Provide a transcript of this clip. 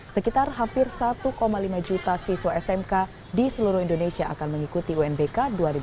sekitar hampir satu lima juta siswa smk di seluruh indonesia akan mengikuti unbk dua ribu dua puluh